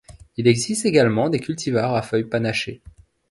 Il existe également des cultivars à feuilles panachées.